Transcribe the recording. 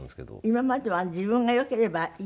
今までは自分が良ければいいっていう。